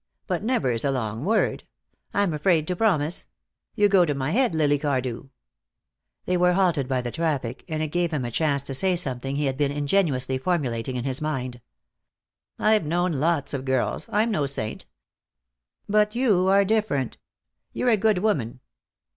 But never is a long word. I'm afraid to promise. You go to my head, Lily Cardew." They were halted by the traffic, and it gave him a chance to say something he had been ingeniously formulating in his mind. "I've known lots of girls. I'm no saint. But you are different. You're a good woman.